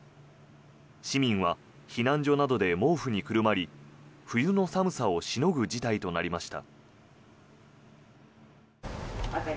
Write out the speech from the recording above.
市民は避難所などで毛布にくるまり冬の寒さをしのぐ事態となりました。